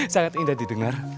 sangat indah didengar